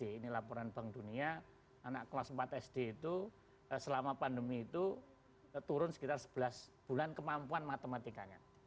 ini laporan bank dunia anak kelas empat sd itu selama pandemi itu turun sekitar sebelas bulan kemampuan matematikanya